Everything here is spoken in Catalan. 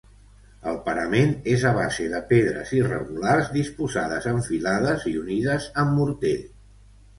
El parament és a base de pedres irregulars disposades en filades i unides amb morter.